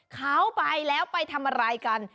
เขาไปแล้วไปทำอะไรกัน